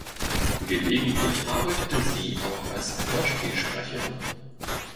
Gelegentlich arbeitete sie auch als Hörspielsprecherin.